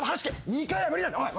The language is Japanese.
２回は無理なんだおい